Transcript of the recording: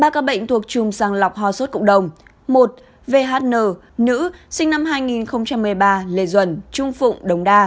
ba ca bệnh thuộc chùm sang lọc hòa suốt cộng đồng một vhn nữ sinh năm hai nghìn một mươi ba lê duẩn trung phụng đống đa